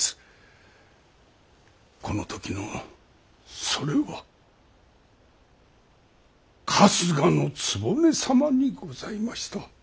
この時のそれは春日局様にございました。